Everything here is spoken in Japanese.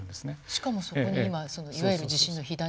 しかもそこに今いわゆる地震の火種が。